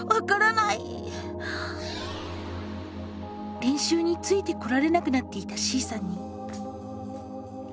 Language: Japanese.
練習についてこられなくなっていたＣさんに。